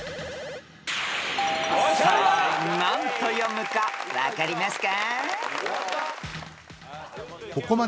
［さあ何と読むか分かりますか？］